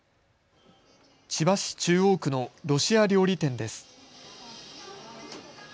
千葉市中央区のロシア料理店です。